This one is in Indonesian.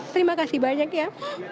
terima kasih banyak ya